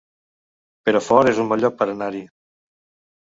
Perafort es un bon lloc per anar-hi